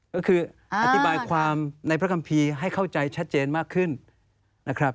ก็คืออธิบายความในพระคัมภีร์ให้เข้าใจชัดเจนมากขึ้นนะครับ